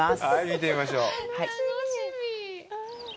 見てみましょう。